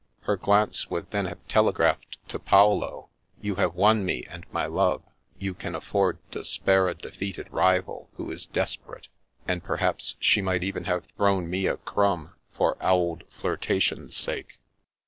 Her glance would then have telegraphed to Paolo, " You have won me and my love ; you can afford to spare a defeated rival who is desperate "; and perhaps she might even have thrown me a crumb for auld flirta tion's sake.